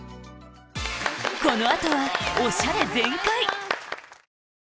この後はおしゃれ全開！